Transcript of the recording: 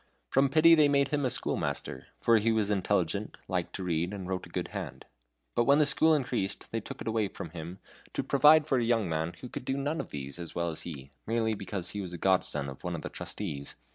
From pity they made him a schoolmaster, for he was intelligent, liked to read, and wrote a good hand. But when the school increased they took it away from him to provide for a young man who could do none of these as well as he, merely because he was a godson of one of the trustees.